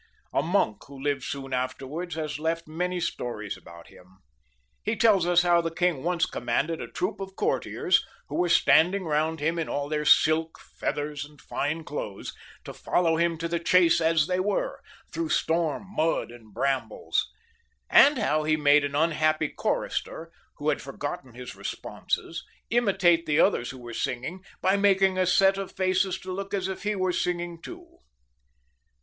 A monk who lived soon afterwards has left many stories about him. He tells us how the king once commanded a troop of courtiers, who were standing round him in aU their silk, feathers, and fine clothes, to follow him to the chase as they were, through storm, mud, and branibles ; and how he made an unhappy chorister, who had forgotten his responses, imitate the others who were singing, by making a set of faces to look as if he were singing too.